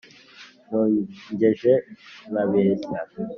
nkongeje nkabeshya